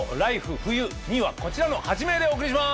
冬．２」はこちらの８名でお送りします！